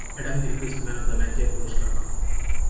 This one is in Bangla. Adam Gilchrist man of the ম্যাচের পুরস্কার পান।